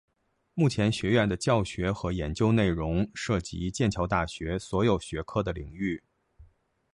目前学院的教学和研究内容涉及剑桥大学所有学科的领域。